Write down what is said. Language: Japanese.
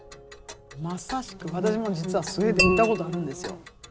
まさしく私も実はスウェーデン行ったことあるんですよ。